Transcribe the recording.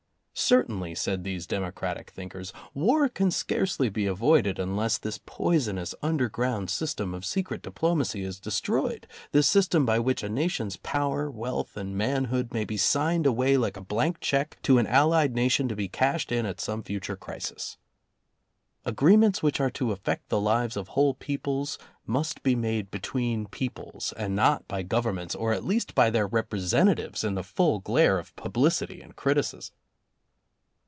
Certainly, said these democratic thinkers, war can scarcely be avoided unless this poisonous underground system of secret diplomacy is destroyed, this system by which a nation's power, wealth and manhood may be signed away like a blank check to an allied nation to be cashed in at some future crisis. Agreements which are to affect the lives of whole peoples must be made between peoples and not by Governments, or at least by their representatives in the full glare of publicity and criticism.